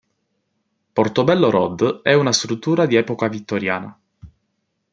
Portobello Road è una struttura di epoca vittoriana.